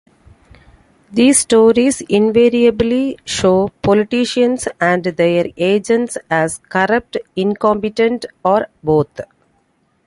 These stories invariably show politicians and their agents as corrupt, incompetent, or both.